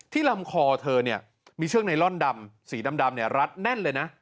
ลำคอเธอเนี่ยมีเชือกไนลอนดำสีดำรัดแน่นเลยนะ